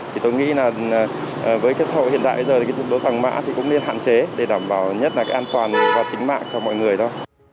thì tôi nghĩ là với cái xã hội hiện đại bây giờ thì cái tục đốt vàng mã thì cũng nên hạn chế để đảm bảo nhất là cái an toàn và tính mạng cho mọi người thôi